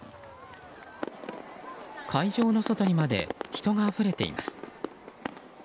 会場の外にまで人があふれています。